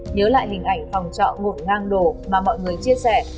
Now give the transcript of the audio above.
nhớ lại hình ảnh phòng trọ ngột ngang đổ mà mọi người chia sẻ